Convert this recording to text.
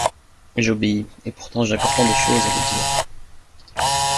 J’obéis… et pourtant j’ai encore tant de choses à vous dire…